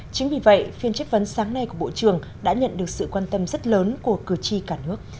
chính vì vậy phiên chất vấn sáng nay của bộ trưởng đã nhận được sự quan tâm rất lớn của cử tri cả nước